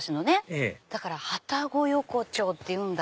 ええだから旅籠横丁っていうんだ。